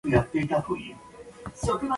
The marriage did not last very long.